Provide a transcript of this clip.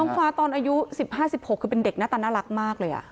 ฟ้าตอนอายุ๑๕๑๖คือเป็นเด็กหน้าตาน่ารักมากเลย